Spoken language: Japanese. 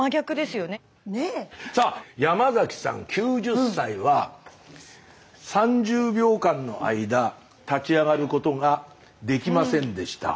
さあ山さん９０歳は３０秒間の間立ち上がることができませんでした。